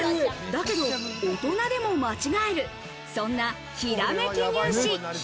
だけど、大人でも間違える、そんなひらめき入試。